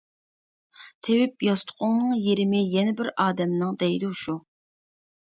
تېۋىپ ياستۇقۇڭنىڭ يېرىمى يەنە بىر ئادەمنىڭ دەيدۇ شۇ.